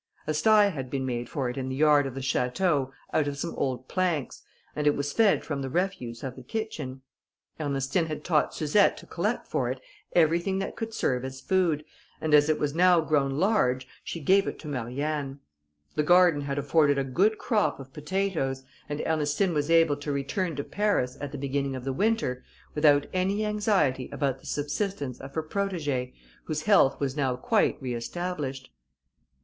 A sty had been made for it in the yard of the château, out of some old planks, and it was fed from the refuse of the kitchen. Ernestine had taught Suzette to collect for it everything that could serve as food, and as it was now grown large, she gave it to Marianne. The garden had afforded a good crop of potatoes, and Ernestine was able to return to Paris, at the beginning of the winter, without any anxiety about the subsistence of her protegée, whose health was now quite re established.